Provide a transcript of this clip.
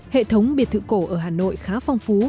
hệ thống biệt thự cổ ở hà nội khá phong phú